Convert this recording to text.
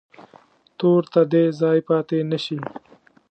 تور ته دې ځای پاتې نه شي.